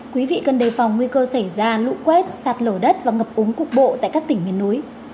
quý vị cần đề phòng nguy cơ xảy ra lũ quét sạt lở đất và ngập úng cục bộ tại các tỉnh miền núi